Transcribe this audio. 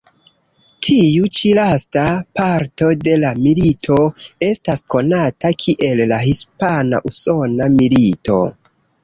Tiu ĉi lasta parto de la milito estas konata kiel la Hispana-usona milito.